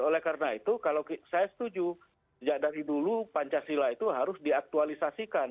oleh karena itu kalau saya setuju sejak dari dulu pancasila itu harus diaktualisasikan